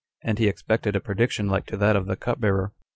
And he expected a prediction like to that of the cupbearer.